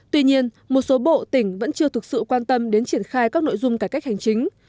tuy nhiên một số bộ tỉnh vẫn chưa thực sự quan tâm đến triển khai các nội dung cải cách hành chính